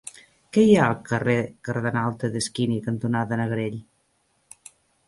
Què hi ha al carrer Cardenal Tedeschini cantonada Negrell?